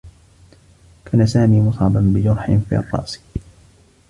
كان سامي مصابا بجرح في الرّأس.